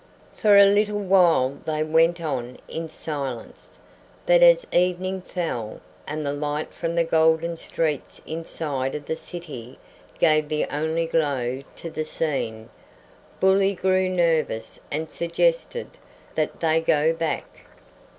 For a little while they went on in silence, but as evening fell, and the light from the golden streets inside of the city gave the only glow to the scene, Bully grew nervous and suggested that they go back.